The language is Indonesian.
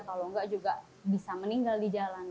kalau nggak juga bisa meninggal di jalanan